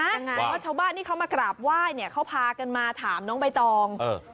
ยังไงว่าชาวบ้านนี้เขามากราบไหว้เนี่ยเขาพากันมาถามน้องไปตอง